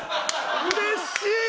うれしい！